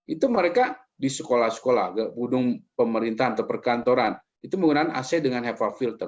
itu mereka di sekolah sekolah budung pemerintahan atau perkantoran itu menggunakan ac dengan hepa filter